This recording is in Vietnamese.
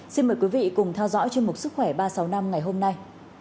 xin mời quý vị cùng theo dõi chuyên mục sức khỏe ba sáu năm ngày hôm nay